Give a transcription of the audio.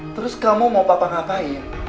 terus kamu mau papa ngapain